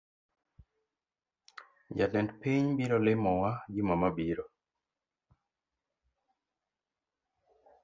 Jatend piny biro limowa juma mabiro